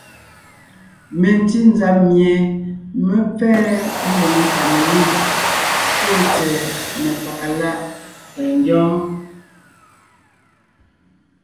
Mentí nzab mie mé pfɛ́ɛ ngwòŋ Kamelûm fóo tsɛ̀ɛ mepaga láʼ tà ngyɔ́ɔn.